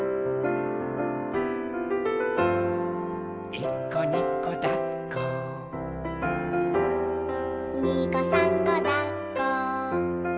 「いっこにこだっこ」「にこさんこだっこ」